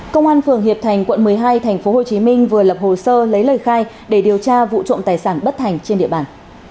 công an phường hiệp thành quận một mươi hai tp hcm vừa lập hồ sơ lấy lời khai để điều tra vụ trộm tài sản bất thành trên địa bàn